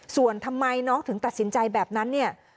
ส่วนทำไมน้องถึงตัดสินใจแบบนั้นเนี่ย